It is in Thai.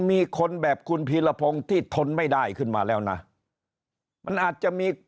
มีคนแบบคุณพีรพงศ์ที่ทนไม่ได้ขึ้นมาแล้วนะมันอาจจะมี